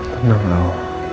terpaksa saya balik lagi